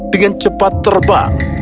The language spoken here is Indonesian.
dengan cepat terbang